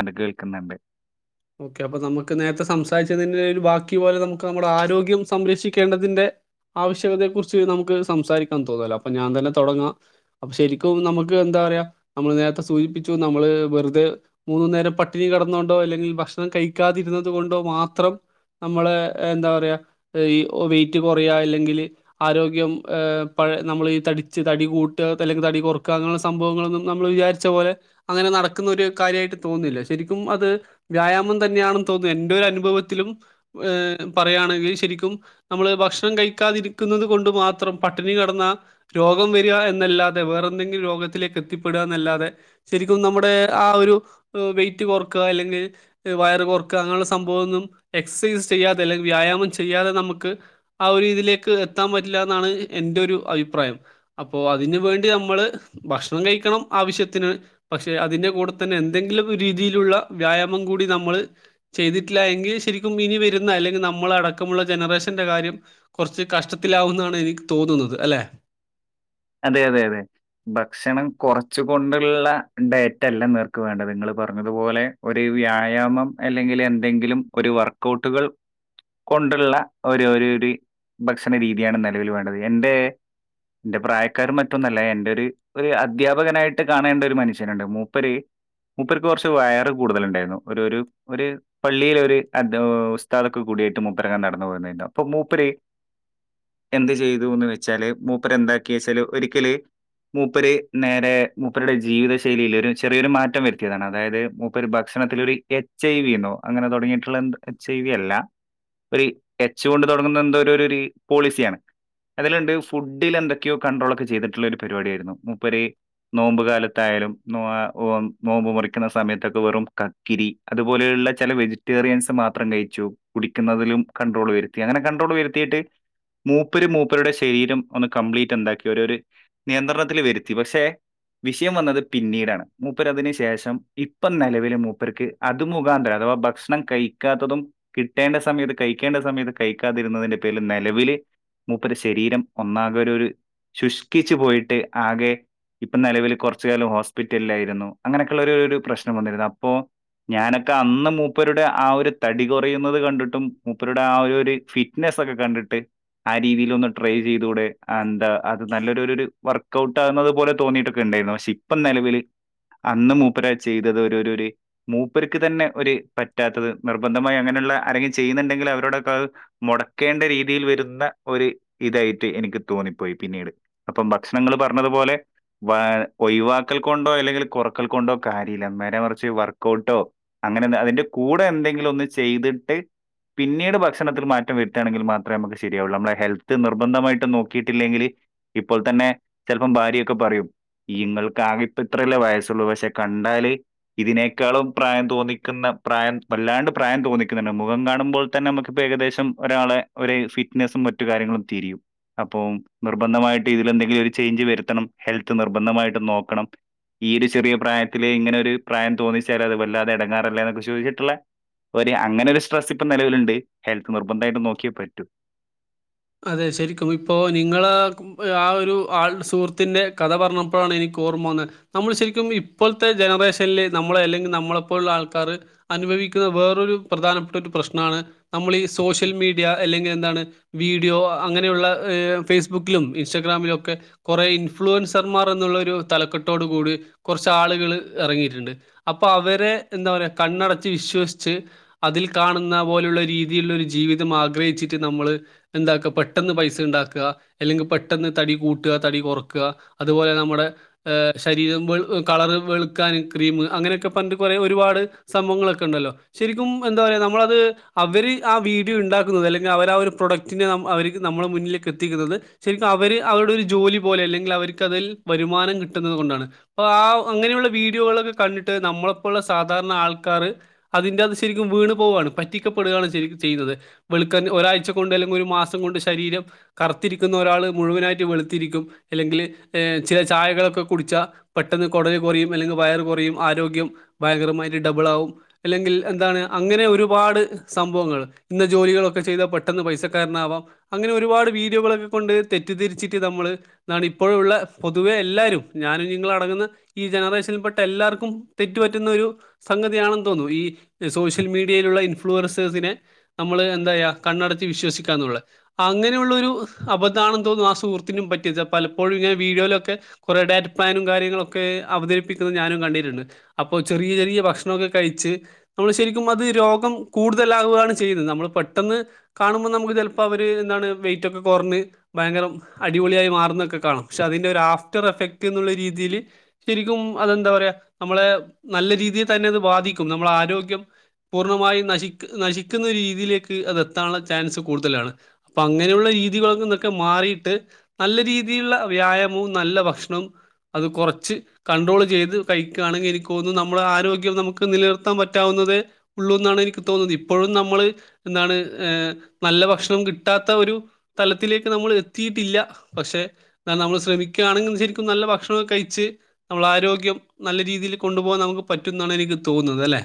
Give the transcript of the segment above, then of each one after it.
അത് കേൾക്കുന്നുണ്ട് ഓക്കെ അപ്പൊ നമുക്ക് നേരത്തെ സംസാരിച്ചതിന്റെ ഒരു ബാക്കി പോലെ നമുക്ക് നമ്മുടെ ആരോഗ്യം സംരക്ഷിക്കേണ്ടതിന്റെ ആവശ്യകതയെ കുറിച്ച് നമുക്ക് സംസാരിക്കാൻ തോന്നല്ലോ അപ്പൊ ഞാൻ തന്നെ തൊടങ്ങാം ശരിക്കും നമുക്ക് എന്താ പറയാ നമ്മള് നേരത്തെ സൂചിപ്പിച്ചു നമ്മള് വെറുതെ മൂന്ന് നേരം പട്ടിണി കിടന്നോണ്ടോ അല്ലെങ്കിൽ ഭക്ഷണം കഴിക്കാതിരുന്നത് കൊണ്ടോ മാത്രം നമ്മള് എന്താ പറയാ ഈ വെയിറ്റ് കൊറയുവാ അല്ലെങ്കിൽ ആരോഗ്യം പഴ നമ്മള് ഈ തടിച്ച് തടി കൂട്ടുക അല്ലെങ്കിൽ തടി കുറക്കുക അങ്ങനെയുള്ള സംഭവങ്ങളൊന്നും നമ്മള് വിചാരിച്ച പോലെ അങ്ങനെ നടക്കുന്ന ഒരു കാര്യമായിട്ട് തോന്നില്ല ശരിക്കും അത് വ്യായാമം തന്നെയാണെന്ന് തോന്നുന്നു എന്റെ ഒരു അനുഭവത്തിലും പറയുകയാണെങ്കിൽ ശരിക്കും നമ്മള് ഭക്ഷണം കഴിക്കാതിരിക്കുന്നത് കൊണ്ട് മാത്രം പട്ടിണി കെടന്ന രോഗം വരിക എന്നല്ലാതെ വേറെ എന്തെങ്കിലും രോഗത്തിലേക്ക് എത്തിപ്പെടുക എന്നല്ലാതെ ശരിക്കും നമ്മുടെ ആ ഒരു വെയിറ്റ് കൊറക്കുക അല്ലെങ്കിൽ വയറ് കൊറക്കുക അങ്ങനെയുള്ള സംഭവം ഒന്നും എക്സസൈസ് ചെയ്യാതെ അല്ലെങ്കിൽ വ്യായാമം ചെയ്യാതെ നമുക്ക് ആ ഒരുരീതിലേക്ക് എത്താൻ പറ്റില്ലെന്നാണ് എന്റെ ഒരു അഭിപ്രായം അപ്പോ അതിന് വേണ്ടി നമ്മള് ഭക്ഷണം കഴിക്കണം ആവശ്യത്തിന് പക്ഷെ അതിന്റെ കൂടെ തന്നെ എന്തെങ്കിലും രീതിയിലുള്ള വ്യായാമം- മം കൂടി നമ്മള് ചെയ്തിട്ടില്ല എങ്കി ശരിക്കും ഇനി വരുന്ന അല്ലെങ്കി നമ്മള അടക്കമുള്ള ജനറേഷന്റെ കാര്യം കൊർച്ച് കഷ്ടത്തിലാവുംന്നാണ് എനിക്ക് തോന്നുന്നത് അല്ലെ? അതെ അതെ അതെ ഭക്ഷണം കൊറച്ച് കൊണ്ടുള്ള ഡൈറ്റ് അല്ല നിങ്ങക്ക് വേണ്ടത് നിങ്ങള് പറഞ്ഞതുപോലെ ഒരു വ്യായാമം അല്ലെങ്കിൽ എന്തെങ്കിലും ഒരു വർക്കൗട്ടുകൾ കൊണ്ടുള്ള ഒരു ഒരു ഭക്ഷണ രീതിയാണ് നിലവില് വേണ്ടത് എന്റെ എന്റെ പ്രായ- കാർണം മറ്റൊന്നും അല്ല എന്റെ ഒരു അധ്യാപകനായിട്ട് കാണേണ്ട ഒരു മനുഷ്യനൊണ്ട് മൂപ്പര് മൂപ്പർക്ക് കൊറച്ച് വയറ് കൂടുതലുണ്ടായിരുന്നു ഒരു ഒരു ഒരു പള്ളിയില ഒരു ഉസ്താദൊക്ക കൂടിയിട്ട് മൂപ്പരങ്ങന നടന്നു പോന്നായിരുന്നു അപ്പൊ മൂപ്പര് എന്ത് ചെയ്തു എന്ന് വെച്ചാല് മൂപ്പര് എന്താ കേസില് - ഒരിക്കല് മൂപ്പര് നേരെ മൂപ്പരുടെ ജീവിത ശൈലിൽ ഒരു ചെറിയൊരു മാറ്റം വരുത്തിയതാണ് അതായത് മൂപ്പര് ഭക്ഷണത്തി ഒരു എച്ച് ഐ വി എന്നോ അങ്ങനെ തൊടങ്ങിയിട്ടുള്ള എച്ച് ഐ വി അല്ല ഒരു എച്ച് കൊണ്ട് തുടങ്ങുന്ന എന്തോ ഒരു പോളിസിയാണ് അതിലുണ്ട് ഫുഡിൽ എന്തൊക്കെയോ കണ്ട്രോൾ ഒക്കെ ചെയ്തിട്ടുള്ള ഒരു പരിപാടി ആയിരുന്നു മൂപ്പര് നോമ്പ് കാലത്തായാലും നോമ്പ് മുറിക്കുന്ന സമയത്തൊക്കെ വെറും കക്കിരി അതുപോലെയുള്ള ചില വെജിറ്റേറിയൻസ് മാത്രം കഴിച്ചു കുടിക്കുന്നതിലും കണ്ട്രോൾ വരുത്തി അങ്ങനെ കൺണ്ട്രോൾ വരുത്തിയിട്ട് മൂപ്പര് മൂപ്പരുടെ ശരീരം ഒന്ന് കംപ്ലീറ്റ് എന്താക്കി ഓരോരു- നിയന്ത്രണത്തില് വരുത്തി. പക്ഷെ വിഷയം വന്നത് പിന്നീടാണ്. മൂപ്പര് അതിന് ശേഷം ഇപ്പം നെലവില് മൂപ്പർക്ക് അത് മുഖാന്തരം ഭക്ഷണം കഴിക്കാത്തതും കിട്ടേണ്ട സമയത്ത് കഴിക്കേണ്ട സമയത്ത് കഴിക്കാതിരുന്നതിന്റെ പേരില് നെ ലവില് മൂപ്പരെ ശരീരം ഒന്നാകെ ഒരു ഒരു ശുശ് ച്ച് പോയിട്ട് ആകെ ഇപ്പം നിലവിൽ കുറച്ച് കാലം ഹോസ്പിറ്റലിലായിരുന്നു അങ്ങനെയൊക്കെയുള്ള ഒരു ഒരു പ്രശ്നം വന്നിരുന്നു അപ്പോ ഞാനൊക്കെ അന്ന് മൂപ്പരുടെ ആ ഒരു തടി കുറയുന്നത് കണ്ടിട്ടും മൂപ്പരുടെ ആ ഒരു ഫിറ്റ്നെസ്സ് ഒക്കെ കണ്ടിട്ട് ആ രീതിയിൽ ഒന്ന് ട്രൈ ചെയ്ത് കൂടെ എന്താ- നല്ലൊരു ഒരു വർക്ക് ഔട്ടക്ന്നത് പോലെ തോന്നിയിട്ടൊക്കെ ഇണ്ടായിന്നു പക്ഷെ ഇപ്പം നിലവില് അന്ന് മൂപ്പര് ചെയ്തത് ഒര് ഒര് മൂപ്പർക്ക് തന്നെ ഒര് പറ്റാത്തത് നിർബന്ധമായി അങ്ങനെയുള്ള ആരെങ്കിലും ചെയ്യുന്നുണ്ടെങ്കിൽ അവരോടൊക്കെ അത് മുടക്കേണ്ട രീതിയിൽ വരുന്ന ഒരു ഇതായിട്ട് എനിക്ക് തോന്നിപ്പോയി പിന്നീട് അപ്പം ഭക്ഷണങ്ങൾ പറഞ്ഞതുപോലെ വ ഒഴിവാക്കൽ കൊണ്ടോ അല്ലെങ്കിൽ കുറക്കൽ കൊണ്ടോ കാര്യമില്ല നേരെ മറിച്ച് വർക്കൗട്ടോ അങ്ങനെ അതിന്റെ കൂടെ എന്തെങ്കിലും ഒന്നു ചെയ്തിട്ട് പിന്നീട് ഭക്ഷണത്തിൽ മാറ്റം വരുത്തയാണെങ്കിൽ മാത്രമേ നമുക്ക് ശരിയാവുള്ളൂ നമ്മുടെ ഹെൽത്ത് നിർബന്ധമായിട്ട് നോക്കിയിട്ടില്ലെങ്കില് ഇപ്പോൾ തന്നെ ചെലപ്പം ഭാര്യയൊക്കെ പറയും ഇങ്ങൾക്ക് ആകെ ഇപ്പ ഇത്രയല്ലേ വയസ്സുള്ളൂ പക്ഷെ കണ്ടാൽ ഇതിനേക്കാളും പ്രായം തോന്നിക്കുന്ന പ്രായം വല്ലാണ്ട് പ്രായം തോന്നിക്കുന്നുണ്ട് മുഖം കാണുമ്പോൾ തന്നെ നമുക്കിപ്പോ ഏകദേശം ഒരാളെ ഒരു ഫിറ്റ്നസും മറ്റു കാര്യങ്ങളും തിരിയും അപ്പം നിർബന്ധമായി ഇതില് എന്തെങ്കിലും ഒരു ചേഞ്ച് വരുത്തണം ഹെൽത്ത് നിർബന്ധമായിട്ട് നോക്കണം ഈ ഒരു ചെറിയ പ്രായത്തില് ഇങ്ങനെ ഒരു പ്രായം തോന്നിച്ചാൽ അത് വല്ലാതെ എടങ്ങാറല്ലേന്നൊക്കെ ചോദിച്ചിട്ടുള്ള ഒരു അങ്ങനെ ഒരു സ്ട്രെസ്സ് ഇപ്പ നിലവിലുണ്ട് ഹെൽത്ത് നിർബന്ധമായിട്ട് നോക്കിയേ പറ്റൂ അതെ ശരിക്കും ഇപ്പോ നിങ്ങള് ആഹ് ഒരു ആ സുഹൃത്തിന്റെ കഥ പറഞ്ഞപ്പോഴാണ് എനിക്ക് ഓർമ്മ വന്നത് നമ്മൾ ശരിക്കും ഇപ്പോഴത്തെ ജനറേഷനെ നമ്മളെ അല്ലെങ്കിൽ നമ്മളെപ്പോലുള്ള ആൾക്കാര് അനുഭവിക്കുന്ന വേറൊരു പ്രധാനപ്പെട്ട ഒരു പ്രശ്നമാണ് നമ്മൾ ഈ സോഷ്യൽ മീഡിയ അല്ലെങ്കിൽ എന്താണ് വീഡിയോ അങ്ങനെയുള്ള ങ് ഫേസ്ബുക്കിലും ഇൻസ്റ്റാഗ്രാമിലും ഒക്കെ കൊറെ ഇൻഫ്ലുവൻസർമാർ എന്നുള്ളൊരു തലക്കെട്ടോടു കൂടി കുറച്ച് ആളുകൾ ഇറങ്ങിയിട്ടുണ്ട് അപ്പൊ അവരെ എന്താ പറയാ കണ്ണടച്ച് വിശ്വസിച്ച് അതിൽ കാണുന്ന പോലുള്ള രീതിലുള്ള ഒരു ജീവിതം ആഗ്രഹിച്ചിട്ട് നമ്മള് എന്താക്ക പെട്ടെന്ന് പൈസ ഇ ണ്ടാക്ക, അല്ലെങ്കി പെട്ടെന്ന് തടി കൂട്ട, തടി കൊർക്ക അതുപോലെ നമ്മുടെ ശരീരം വെ കളർ വെളുക്കാൻ ക്രീം അങ്ങനെയൊക്കെ പർഞ്ഞിട്ട് കൊറെ ഒരുപാട് സംഭവങ്ങളൊക്കെ ഇണ്ടല്ലോ. ശരിക്കും എന്താ പറയ നമ്മളത് അവര് ആ വീഡിയോ ഇ ണ്ടാക്കുന്നത് അല്ലെങ്കി അവര് ആ ഒരു പ്രൊഡക്ട് റ്റിന് അവർ നമ്മളുടെ മുന്നിലേക്ക് എത്തിക്കുന്നത് ശരിക്കും അവര് അവരുടെ ഒരു ജോലി പോലെ അല്ലെങ്കിൽ അവർക്ക് അതിൽ വരുമാനം കിട്ടുന്നത് കൊണ്ടാണ് അപ്പ ആ അങ്ങനെയുള്ള വീഡിയോകളൊക്കെ കണ്ടിട്ട് നമ്മളപ്പോലുള്ള സാധാരണ ആൾക്കാർ അതിന്റെറ അത് ശരിക്കും വീണ് പോവുകയാണ് പറ്റിക്കപ്പെടുകയാണ് ശരിക്കും ചെയ്യുന്നത് വെളുക്കാൻ ഒരാഴ്ച കൊണ്ടെല്ലാം ഒരു മാസം കൊണ്ട് ശരീരം കറുത്തിരിക്കുന്ന ഒരാൾ മുഴുവനായിട്ട് വെളുത്തിരിക്കും അല്ലെങ്കിൽ ങ് ചില ചായകളൊക്കെ കുടിച്ചാൽ പെട്ടെന്ന് കുടൽ കുറയും അല്ലെങ്കിൽ വയർ കുറയും ആരോഗ്യം ഭയങ്കരമായിട്ട് ഡബിൾ ആകും അല്ലെങ്കിൽ എന്താണ് അങ്ങനെ ഒരുപാട് സംഭവങ്ങൾ ഇന്ന ജോലികളൊക്കെ ചെയ്താൽ പെട്ടെന്ന് പൈസ ണക്കാരനാവാം അങ്ങനെ ഒരുപാട് വീഡിയോകളൊക്കെ കൊണ്ട് തെറ്റ് ധരിച്ചിട്ട് നമ്മള് എന്താണ് ഇപ്പോഴുള്ള പൊതുവെ എല്ലാവരും ഞാനും നിങ്ങളും അടങ്ങുന്ന ഈ ജനറേഷനിൽ പെട്ട എല്ലാവർക്കും തെറ്റു പറ്റുന്ന ഒരു സംഗതിയാണെന്ന് തോന്നുന്നു ഈ സോഷ്യൽ മീഡിയയിലുള്ള ഇൻഫ്ലുവൻസേഴ്സിനെ നമ്മൾ എന്താ പറയാ കണ്ണടച്ച് വിശ്വസി ക്കാന്നുള്ളെ അങ്ങനെയുള്ളൊരു അബദ്ധാണെന്ന് തോന്നുന്നു ആ സുഹൃത്തിനും പറ്റിയത് പലപ്പോഴും ഞാൻ വീഡിയോയിലൊക്കെ കുറെ ഡാറ്റ പ്ലാനും കാര്യങ്ങളൊക്കെ അവതരിപ്പിക്കുന്നത് ഞാനും കണ്ടിട്ടുണ്ട് അപ്പോ ചെറിയ ചെറിയ ഭക്ഷണൊക്കെ കഴിച്ച് നമ്മൾ ശരിക്കും അത് രോഗം കൂടുതലാകുകയാണ് ചെയ്യുന്നത് നമ്മൾ പെട്ടെന്ന് കാണുമ്പോൾ നമുക് ത് ചെലപ്പവര് എന്താണ് വെയിറ്റൊക്കെ കുറഞ്ഞ് ഭയങ്കര അടിപൊളിയായി മാറുന്നതൊക്കെ കാണും പക്ഷെ അതിന്റെ ഒരു ആഫ്റ്റർ എഫക്റ്റ് എന്നുള്ള രീതിയിൽ ശരിക്കും അതെന്താ പറയുക നമ്മളെ നല്ല രീതിയിൽ തന്നെ അത് ബാധിക്കും നമ്മള ആരോഗ്യം പൂർണ്ണമായി നശി നശിക്കുന്ന ഒരു രീതിയിലേക്ക് അത് എത്താനുള്ള ചാൻസ് കൂടുതലാണ് അപ്പൊ അങ്ങനെയുള്ള രീതികളൊക്കെ എന്നൊക്കെ മാറിയിട്ട് നല്ല രീതിയിലുള്ള വ്യായാമവും നല്ല ഭക്ഷണവും അത് കുറച്ച് കണ്ട്രോൾ ചെയ്ത് കഴിക്കുകയാണെങ്കിൽ എനിക്ക് തോന്നുന്നു നമ്മുടെ ആരോഗ്യം നമുക്ക് നിലനിർത്താൻ പറ്റാവുന്നതേ ഉള്ളൂ എന്നാണ് എനിക്ക് തോന്നുന്നത് ഇപ്പോഴും നമ്മൾ എന്താണ് ഏ നല്ല ഭക്ഷണം കിട്ടാത്ത ഒരു തലത്തിലേക്ക് നമ്മള് എത്തിയിട്ടില്ല പക്ഷെ നമ്മൾ ശ്രമിക്കുകയാണെങ്കിൽ ശരിക്കും നല്ല ഭക്ഷണം കഴിച്ച് നമ്മൾ ആരോഗ്യം നല്ല രീതിയിൽ കൊണ്ടുപോകാൻ നമുക്ക് പറ്റും എന്നാണ് എനിക്ക് തോന്നുന്നത് അല്ലെ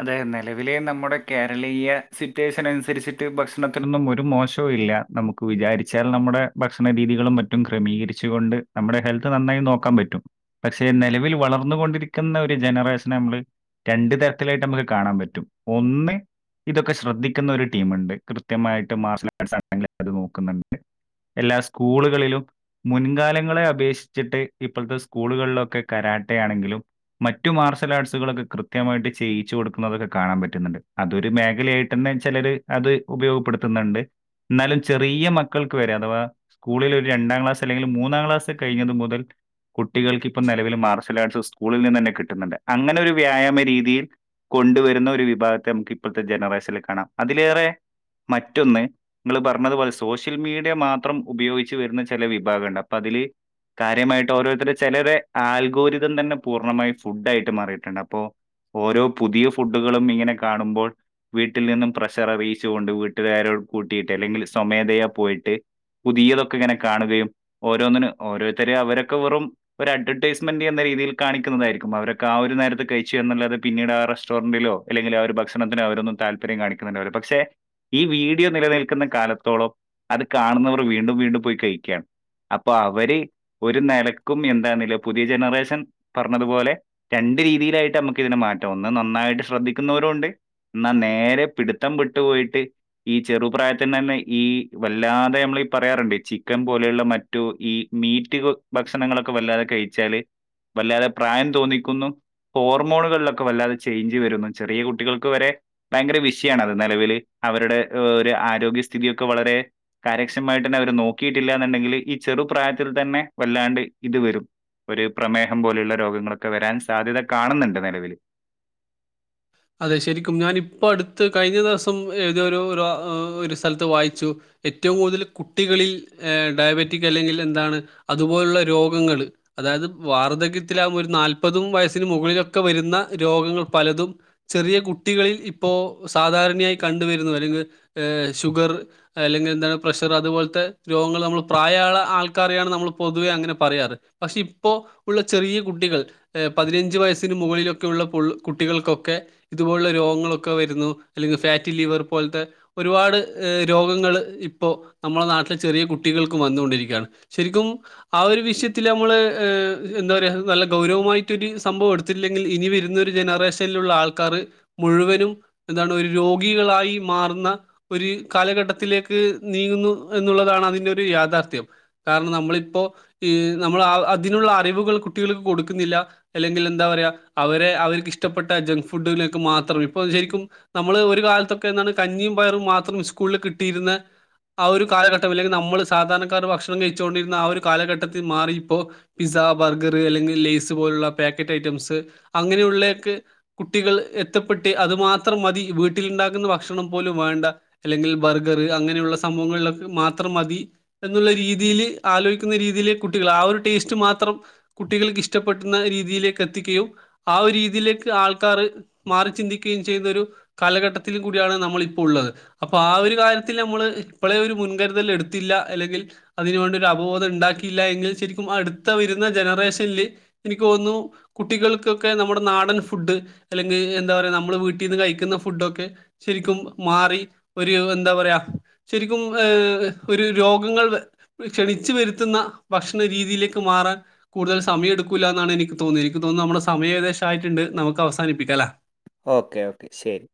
അതെ നിലവിലെ നമ്മുടെ കേരളീയ സിറ്റ്വേഷൻ അനുസരി നുസരിച്ചിട്ട് ഭക്ഷണത്തിനൊന്നും ഒരു മോശവും ഇല്ല നമുക്ക് വിചാരിച്ചാൽ നമ്മുടെ ഭക്ഷണ രീതികളും മറ്റും ക്രമീകരിച്ചുകൊണ്ട് നമ്മുടെ ഹെൽത്ത് നന്നായി നോക്കാൻ പറ്റും പക്ഷെ നിലവിൽ വളർന്നുകൊണ്ടിരിക്കുന്ന ഒരു ജനറേഷനെ നമ്മള് രണ്ട തര ലായിട്ട് നമുക്ക് കാണാൻ പറ്റും ഒന്ന് ഇതൊക്കെ ശ്രദ്ധിക്കുന്ന ഒരു ടീമുണ്ട് കൃത്യമായിട്ട് മാർഷൽ ആർട്സ് ആണെങ്കിലും അത് നോക്കുന്നുണ്ട് എല്ലാ സ്കൂളുകളിലും മുൻകാലങ്ങളെ അപേക്ഷിച്ചിട്ട് ഇപ്പോഴത്തെ സ്കൂളുകളിലൊക്കെ കരാട്ടെ ആണെങ്കിലും മറ്റു മാർഷൽ ആർട്സുകളൊക്കെ കൃത്യമായിട്ട് ചെയ്യിച്ചു കൊടുക്കുന്നതൊക്കെ കാണാൻ പറ്റ്ന്ന്ണ്ട്. അതൊരു മേഖലയായിട്ടെന്നെ ചെലര് അത് ഉപയോഗപ്പെടുത്ത്ന്ന്ണ്ട്. ന്നാലും ചെറിയ മക്കൾക്ക് വരെ അഥവാ സ്കൂളിൽ ഒരു രണ്ടാം ക്ലാസ്, അല്ലെങ്കില് മൂന്നാം ക്ലാസ് കഴിഞ്ഞത് മുതൽ കുട്ടികൾക്ക് ഇപ്പം നെലവില് മാർഷൽ ആർട്സ് സ്കൂളിൽ നിന്ന് തന്നെ കിട്ട്ന്ന്ണ്ട്. അങ്ങനെ ഒരു വ്യായാമ രീതിയിൽ കൊണ്ടുവരുന്ന ഒരു വിഭാഗത്തെ നമുക്ക് ഇപ്പോഴത്തെ ജനറേഷനിൽ കാണാം അതിലേറെ മറ്റൊന്ന് നിങ്ങൾ പറഞ്ഞതുപോലെ സോഷ്യൽ മീഡിയ മാത്രം ഉപയോഗിച്ച് വരുന്ന ചില വിഭാഗൊണ്ട് അപ്പൊ അതില് കാര്യമായിട്ട് ഓരോരുത്തരുടെ ചെലരെ ആൽഗോരിതം തന്നെ പൂർണ്ണമായും ഫുഡ് ആയിട്ട് മാറിയിട്ടുണ്ട് അപ്പോ ഓരോ പുതിയ ഫുഡുകളും ഇങ്ങനെ കാണുമ്പോൾ വീട്ടിൽ നിന്നും പ്രഷർ അറിയിച്ച് കൊണ്ട് വീട്ടുകാരോട് കൂട്ടിയിട്ട് അല്ലെങ്കിൽ സ്വമേധയാ പോയിട്ട് പുതിയതൊക്കെ ഇങ്ങനെ കാണുകയും ഓരോന്നിന് ഓരോരുത്തരും അവരൊക്കെ വെറും ഒരു അഡ്വെർടൈസ്മെന്റ് എന്ന രീതിയിൽ കാണിക്കുന്നതായിരിക്കും അവരൊക്കെ ആ ഒരു നേരത്ത് കഴിച്ചു എന്നുള്ളത് പിന്നീട് ആ റെസ്റ്റോറന്റിലോ അല്ലെങ്കിൽ ആ ഒരു ഭക്ഷണത്തിനോ അവരൊന്നും താല്പര്യം കാണിക്കുന്നണ്ടാവ്ല പക്ഷെ ഈ വീഡിയോ നിലനിൽക്കുന്ന കാലത്തോളം അത് കാണുന്നവർ വീണ്ടും വീണ്ടും പോയി കഴിക്കുകയാണ് അപ്പൊ അവര് ഒരു നിലക്കും എന്താെന്നില പുതിയ ജനറേഷൻ പറഞ്ഞതുപോലെ രണ്ട് രീതിയിലായിട്ട് നമുക്ക് ഇതിനെ മാ ഒന്ന് നന്നായിട്ട് ശ്രദ്ധിക്കുന്നവരും ഉണ്ട് എന്നാൽ നേരെ പിടുത്തം വിട്ടു പോയിട്ട് ഈ ചെറുപ്രായത്തിന് തന്നെ ഈ വല്ലാതെ നമ്മളീ പറയാറുണ്ട് ചിക്കൻ പോലെയുള്ള മറ്റു ഈ മീറ്റ് ഭക്ഷണങ്ങളൊക്കെ വല്ലാതെ കഴിച്ചാല് വല്ലാതെ പ്രായം തോന്നിക്കുന്നു ഹോർമോണുകളിലൊ ക്കെ വല്ലാതെ ചേഞ്ച് വരുന്നു ചെറിയ കുട്ടികൾക്ക് വരെ ഭയങ്കര വിഷയാണത് നിലവിൽ അവരുടെ ഒരു ആരോഗ്യസ്ഥിഥിതിയൊക്കെ വളരെ കാര്യക്ഷമായിട്ട് തന്നെ അവർ നോക്കിയിട്ടില്ല എന്നുണ്ടെങ്കിൽ ഈ ചെറുപ്രായത്തിൽ തന്നെ വല്ലാണ്ട് ഇത് വരും ഒരു പ്രമേഹം പോലെയുള്ള രോഗങ്ങളൊക്കെ വരാൻ സാധ്യത കാണുന്നുണ്ട് നിലവിൽ അതെ ശരിക്കും ഞാനിപ്പോ അടുത്ത് കഴിഞ്ഞ ദിവസം ഏതോരു ഒരു സ്ഥലത്ത് വായിച്ചു ഏറ്റവും കൂടുതൽ കുട്ടികളിൽ ഏ ഡയബറ്റിക് അല്ലെങ്കിൽ എന്താണ് അതുപോലുള്ള രോഗങ്ങൾ അതായത് വാർധക്യത്തിലാ ഒരു നാല്പതും വയസ്സിന് മുകളിലൊക്കെ വരുന്ന രോഗങ്ങൾ പലതും ചെറിയ കുട്ടികളിൽ ഇപ്പോ സാധാരണയായി കണ്ടുവരുന്നു അല്ലെങ്കിൽ ഷുഗർ അല്ലെങ്കിൽ എന്താണ് പ്രഷർ അതുപോലത്തെ രോഗങ്ങൾ നമ്മൾ പ്രായ ആൾക്കാരെയാണ് നമ്മൾ പൊതുവേ അങ്ങനെ പറയാറ് പക്ഷെ ഇപ്പോൾ ഉള്ള ചെറിയ കുട്ടികൾ പതിനഞ്ച് വയസ്സിന് മുകളിലൊക്കെ ഉള്ള കുട്ടികൾക്കൊക്കെ ഇതുപോലുള്ള രോഗങ്ങളൊക്കെ വര്ന്നു. അല്ലെങ്കി ഫാറ്റി ലിവർ പോൽത്തെ ഒരുപാട് രോഗങ്ങൾ ഇപ്പോ നമ്മളെ നാട്ട് ചെറിയ കുട്ടികൾക്കും വന്നുകൊണ്ടിരിക്കാ ണ്. ശരിക്കും ആ ഒരു വിഷയത്തില് നമ്മള് എന്താ പറ നല്ല ഗൗരവമായിട്ടൊരു സംഭവം എടുത്തില്ലെങ്കിൽ ഇനി വരുന്ന ഒരു ജനറേഷനിലുള്ള ആൾക്ക ക്കാർ മുഴുവനും എന്താണ് ഒരു രോഗികളായി മാറുന്ന ഒരു കാലഘട്ടത്തിലേക്ക് നീങ്ങുന്നു എന്നുള്ളതാണ് അതിന്റെ ഒരു യാഥാർത്ഥ്യം കാരണം നമ്മളിപ്പോ നമ്മൾ അതിനുള്ള അറിവുകൾ കുട്ടികൾക്ക് കൊടുക്കുന്നില്ല അല്ലെങ്കിൽ എന്താ പറയാ അവരെ അവർക്ക് ഇഷ്ടപ്പെട്ട ജങ്ക് ഫുഡുകളൊക്കെ മാത്രം ഇപ്പൊ ശരിക്കും നമ്മള് ഒരു കാലത്തൊക്കെ എന്താണ് കഞ്ഞിയും പയറും മാത്രം സ്കൂളിൽ കിട്ടിയിരുന്ന ആ ഒരു കാലഘട്ടം അല്ലെങ്കിൽ നമ്മള് സാധാരണക്കാർ ഭക്ഷണം കഴിച്ചുകൊണ്ടിരുന്ന ആ ഒരു കാലഘട്ടത്തിൽ മാറി ഇപ്പോൾ പിസ്സ ബർഗർ അല്ലെങ്കിൽ ലേസ് പോലുള്ള പാക്കറ്റ് ഐറ്റംസ് അങ്ങനെയുള്ളൊക്കെ കുട്ടികൾ എത്തപ്പെട്ട് അത് മാത്രം മതി വീട്ട്ല് ഇണ്ടാക്കുന്ന ഭക്ഷണം പോലും വേണ്ട അല്ലെങ്കിൽ ബർഗർ അങ്ങനെയുള്ള സംഭവങ്ങൾ ലൊക്കെ മാത്രം മതി എന്നുള്ള രീതിയില് ആലോയിക്കുന്ന രീതിയില് കുട്ടികൾ ആ ഒരു ടേസ്റ്റ് മാത്രം കുട്ടികൾക്ക് ഇഷ്ടപ്പെടുന്ന രീതിയിലേക്ക് എത്തിക്കുകയും ആ ഒരു രീതിയിലേക്ക് ആൾ ആൾക്കാർ മാറി ചിന്തിക്കുകയും ചെയ്യുന്ന ഒരു കാലഘട്ടത്തിലും കൂടിയാണ് നമ്മള് ഇപ്പോൾ ഉള്ളത് അപ്പൊ ആ ഒരു കാര്യത്തിൽ നമ്മള് ഇപ്പോളേ ഒരു മുൻകരുതൽ എടുത്തില്ല അല്ലെങ്കിൽ അതിന് വേണ്ടി ഒരു അവബോധം ഉണ്ടാക്കിയില്ല എങ്കിൽ ശരിക്കും അടുത്ത വരുന്ന ജനറേഷനിൽ എനിക്ക് തോന്നുന്നു കുട്ടികൾക്കൊക്കെ നമ്മുടെ നാടൻ ഫുഡ് അല്ലെങ്കി എന്താ പറയാ നമ്മള് വീട്ടിന്ന് കഴിക്കുന്ന ഫുഡൊക്കെ ശരിക്കും മാറി ഒരു എന്താ പറയാ ശരിക്കും ഏ ഒരു രോഗങ്ങൾ ക്ഷണിച്ചു വരുത്തുന്ന ഭക്ഷണ രീതിയിലേക്ക് മാറാൻ കൂടുതൽ സമയം എടുക്കൂല്ല എന്നാണ് എനിക്ക് തോന്നിയ എനിക്ക് തോന്ന് ന്ന നമ്മുടെ സമയം ഏകദേശം ആയിട്ടുണ്ട്. നമുക്ക് അവസ സാനിപ്പിക്കലേ ഓക്കേ ഓക്കേ ശരി